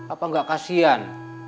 apa gak kasian